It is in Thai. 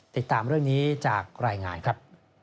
ติดตามเรื่องนี้จากรายงานครับ